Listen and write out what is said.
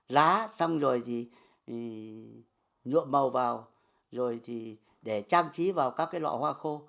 lá xong rồi thì nhuộm màu vào rồi thì để trang trí vào các cái lọ hoa khô